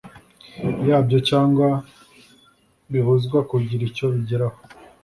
yabyo cyangwa bibuzwa kugira icyo bigeraho